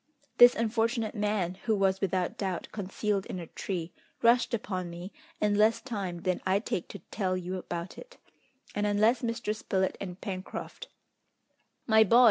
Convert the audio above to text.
This unfortunate man, who was without doubt concealed in a tree, rushed upon me in less time than I take to tell you about it, and unless Mr. Spilett and Pencroft " "My boy!"